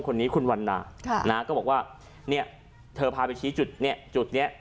ก็บอกว่าเธอพาไปชี้จุด